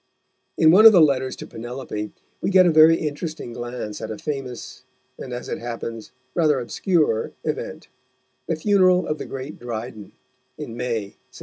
In one of the letters to Penelope we get a very interesting glance at a famous, and, as it happens, rather obscure, event the funeral of the great Dryden, in May 1700.